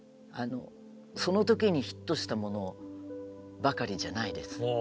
その時にヒットしたものばかりじゃないです。